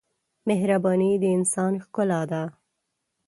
مهرباني د انسان ښکلا ده.